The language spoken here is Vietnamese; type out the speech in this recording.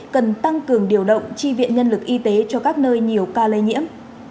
cần tăng cường điều động tri viện nhân lực y tế cho các nơi nhiều ca lây nhiễm